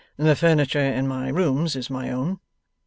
'The furniture in my rooms is my own.